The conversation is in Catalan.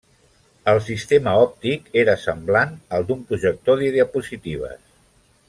El sistema òptic era semblant al d'un projector de diapositives.